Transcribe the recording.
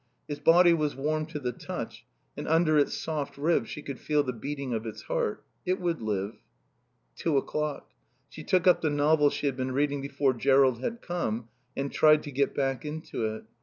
Its body was warm to the touch and under its soft ribs she could feel the beating of its heart. It would live. Two o'clock. She took up the novel she had been reading before Jerrold had come and tried to get back into it.